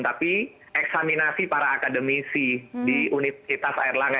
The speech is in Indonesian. tapi eksaminasi para akademisi di universitas air langga